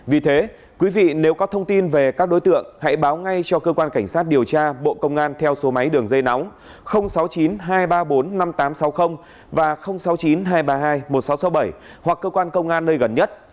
vì thế quý vị nếu có thông tin về các đối tượng hãy báo ngay cho cơ quan cảnh sát điều tra bộ công an theo số máy đường dây nóng sáu mươi chín hai trăm ba mươi bốn năm nghìn tám trăm sáu mươi và sáu mươi chín hai trăm ba mươi hai một nghìn sáu trăm sáu mươi bảy hoặc cơ quan công an nơi gần nhất